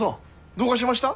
どうかしました？